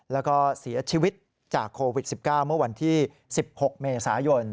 แล้วก็เสียชีวิตจากโควิด๑๙เมื่อวันที่๑๖เมษายน